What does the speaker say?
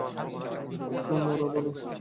আমার তো মরা ভালো ছিল।